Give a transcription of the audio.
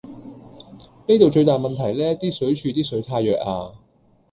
呢度最大問題呢，啲水柱啲水太弱呀